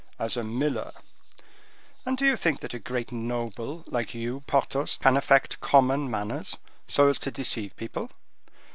"As a miller." "And do you think a great noble, like you, Porthos, can affect common manners so as to deceive people?"